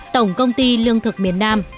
tổng công ty lương thực miền nam